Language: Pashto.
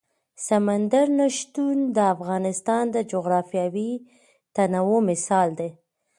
سمندر نه شتون د افغانستان د جغرافیوي تنوع مثال دی.